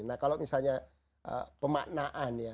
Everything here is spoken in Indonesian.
nah kalau misalnya pemaknaan ya